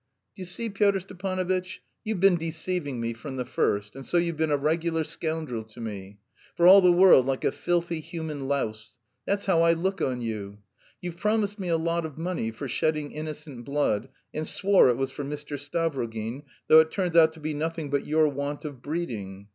"D'you see, Pyotr Stepanovitch, you've been deceiving me from the first, and so you've been a regular scoundrel to me. For all the world like a filthy human louse that's how I look on you. You've promised me a lot of money for shedding innocent blood and swore it was for Mr. Stavrogin, though it turns out to be nothing but your want of breeding.